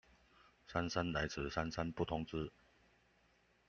姍姍來遲，姍姍不通知